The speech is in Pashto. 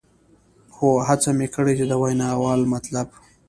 خو هڅه مې کړې چې د ویناوال مطلب.